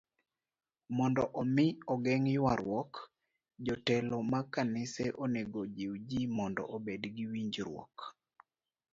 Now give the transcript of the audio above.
Mondo omi ogeng' ywaruok, jotelo mag kanise onego ojiw ji mondo obed gi winjruok.